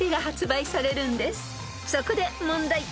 ［そこで問題］